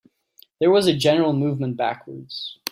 There was a general movement backwards.